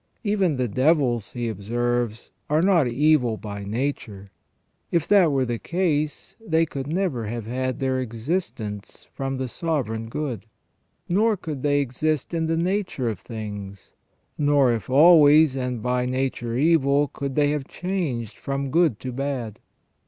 Even the devils, he observes, are not evil by nature. If that were the case, they could never have had their existence from the Sovereign Good. Nor could they exist in the nature of things ; nor, if always and by nature evil, could they have changed from good to bad.